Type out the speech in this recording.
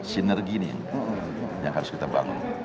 sinergi ini yang harus kita bangun